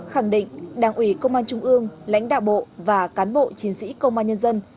khẳng định đảng ủy công an trung ương lãnh đạo bộ và cán bộ chiến sĩ công an nhân dân